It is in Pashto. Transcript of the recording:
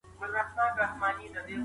ښځه يې انا ګوګولادزه نومېده.